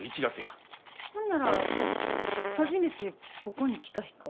ほんなら初めてここに来た日か？